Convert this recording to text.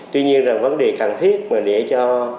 tuy nhiên là vấn đề cần thiết mà để cho